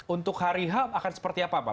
untuk hari h akan seperti apa pak